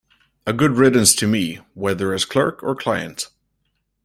A good riddance to me, whether as clerk or client!